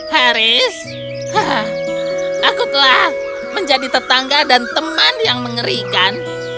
haris aku telah menjadi tetangga dan teman yang mengerikan